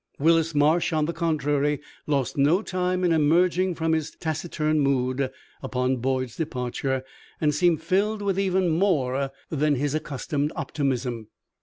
Willis Marsh, on the contrary, lost no time in emerging from his taciturn mood upon Boyd's departure, and seemed filled with even more than his accustomed optimism.